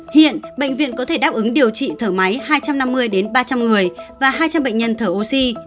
hiện bệnh viện có thể đáp ứng điều trị thở máy hai trăm năm mươi ba trăm linh người và hai trăm linh bệnh nhân thở oxy